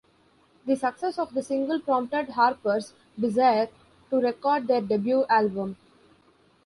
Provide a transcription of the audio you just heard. The success of the single prompted Harpers Bizarre to record their debut album.